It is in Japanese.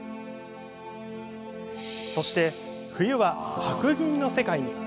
そして、冬は白銀の世界に。